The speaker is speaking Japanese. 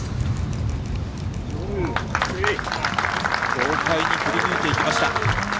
豪快に振り抜いていきました。